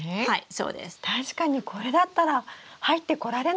そうですね。